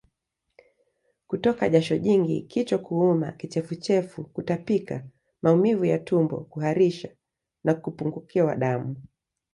Kutoka jasho jingi kichwa kuuma Kichefuchefu Kutapika Maumivu ya tumboKuharisha na kupungukiwa damu